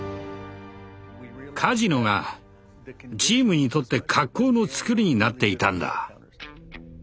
カジノがチームにとって格好のつくりになっていたんだ。